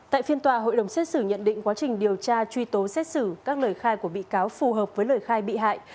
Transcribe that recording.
tại phiên tòa hội đồng xét xử nhận định quá trình điều tra truy tố xét xử các lời khai của bị cáo phù hợp với lời khai bị hại